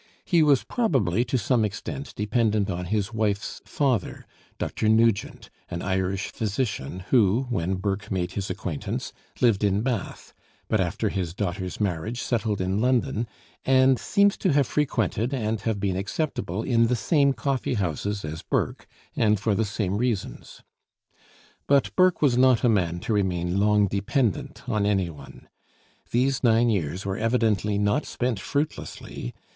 He was probably to some extent dependent on his wife's father, Dr. Nugent, an Irish physician who when Burke made his acquaintance lived in Bath, but after his daughter's marriage settled in London, and seems to have frequented and have been acceptable in the same coffee houses as Burke, and for the same reasons. But Burke was not a man to remain long dependent on any one. These nine years were evidently not spent fruitlessly.